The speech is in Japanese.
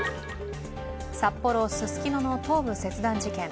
札幌・ススキノの頭部切断事件。